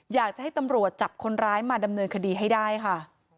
อยากจะให้ตำรวจจับคนร้ายมาดำเนินคดีให้ได้ค่ะ